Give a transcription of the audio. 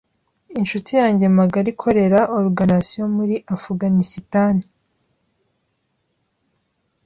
Inshuti yanjye magara ikorera Organisation muri Afuganisitani.